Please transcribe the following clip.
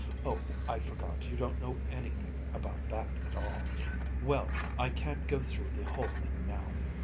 "Oh, I forgot, you don't know anything about that at all. Well, I can't go through the whole thing now.